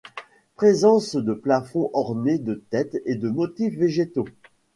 Présence de plafonds ornés de têtes et de motifs végétaux.